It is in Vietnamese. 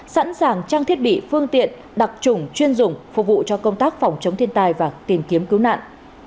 sẵn sàng trang thiết bị phương tiện đặc trùng chuyên dùng phục vụ cho công tác phòng chống thiên tai và tìm kiếm cứu nạn